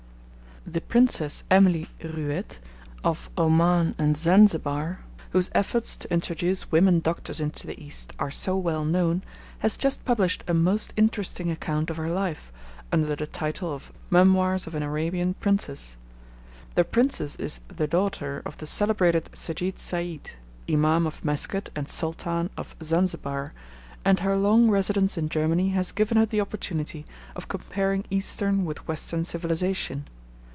The Princess Emily Ruete of Oman and Zanzibar, whose efforts to introduce women doctors into the East are so well known, has just published a most interesting account of her life, under the title of Memoirs of an Arabian Princess. The Princess is the daughter of the celebrated Sejid Said, Imam of Mesket and Sultan of Zanzibar, and her long residence in Germany has given her the opportunity of comparing Eastern with Western civilisation.